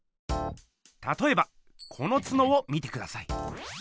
たとえばこのツノを見てください。